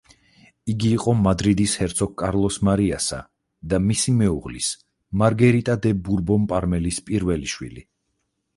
იგი იყო მადრიდის ჰერცოგ კარლოს მარიასა და მისი მეუღლის, მარგერიტა დე ბურბონ-პარმელის პირველი შვილი.